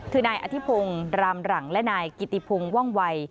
คือนายอธิพงศ์รามหลังและนายกิติพงศ์ว่องวัย